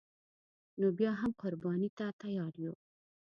نو بیا هم قربانی ته تیار یو